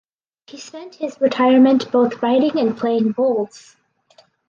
He spent his retirement both writing and playing bowls.